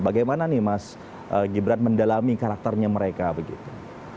bagaimana nih mas gibran mendalami karakternya mereka begitu